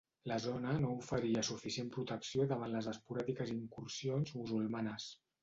La zona no oferia suficient protecció davant les esporàdiques incursions musulmanes.